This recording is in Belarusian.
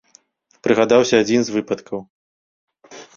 Прыгадаўся адзін з выпадкаў.